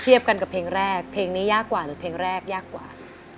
กันกับเพลงแรกเพลงนี้ยากกว่าหรือเพลงแรกยากกว่า